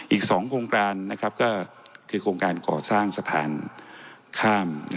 อีก๒โครงการก็คือโครงการก่อสร้างสะพานข้าม